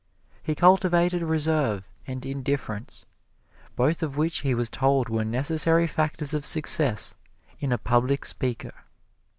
He cultivated reserve and indifference, both of which he was told were necessary factors of success in a public speaker.